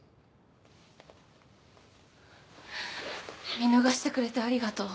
見逃してくれてありがとう。